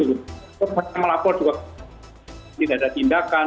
korban yang melapor juga tidak ada tindakan